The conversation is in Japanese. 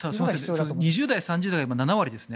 ２０代、３０代が７割ですね